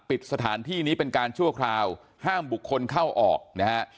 ปิดสถานที่นี้เป็นการชั่วคราวห้ามบุคคลเข้าออกนะฮะ